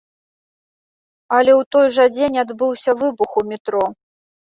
Але ў той жа дзень адбыўся выбух у метро.